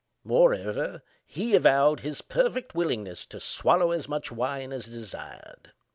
Moreover, he avowed his perfect willingness to swallow as much wine as desired.